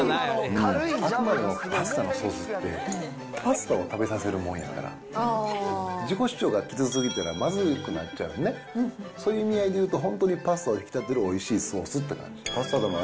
あくまでもパスタのソースって、パスタを食べさせるもんやから、自己主張がきつすぎたらまずくなっちゃうよね、そういう意味合いで言うと、本当にパスタを引き立てるおいしいソースって感じ。